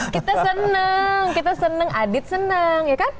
kita seneng kita seneng adit seneng ya kan